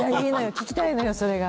聞きたいのよそれが。